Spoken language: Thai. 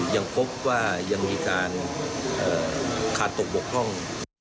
ยังพบว่ายังมีการขาดตกบกพร่อง